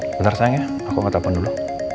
sebentar sayang ya aku ngetelpon dulu